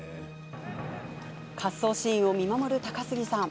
滑走シーンを見守る高杉さん。